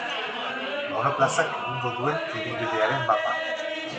Monoplazak egingo duen ibilbidearen mapa.